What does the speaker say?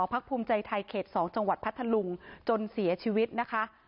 พักภูมิใจไทยเขต๒จังหวัดพัทธลุงจนเสียชีวิตนะคะ